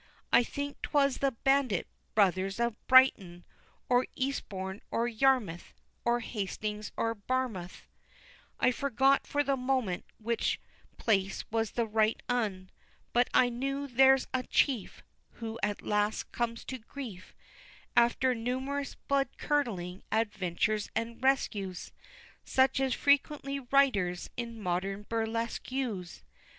I think 'twas the Bandit Brothers of Brighton Or Eastbourne, or Yarmouth Or Hastings, or Barmouth I forget for the moment which place was the right 'un But I know there's a chief, Who at last comes to grief, After numerous blood curdling adventures and rescues, Such as frequently writers in modern burlesque use.